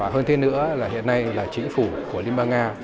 hơn thế nữa hiện nay chính phủ của liên bang nga